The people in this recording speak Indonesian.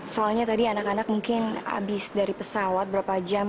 soalnya tadi anak anak mungkin habis dari pesawat berapa jam